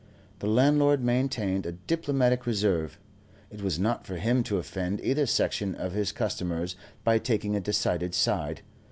The landlord maintained a diplomatic reserve. It was not for him to offend either section of his customers by taking a decided side.